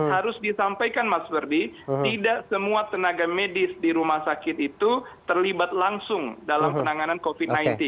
harus disampaikan mas ferdi tidak semua tenaga medis di rumah sakit itu terlibat langsung dalam penanganan covid sembilan belas